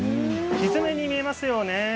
ひづめに見えますよね。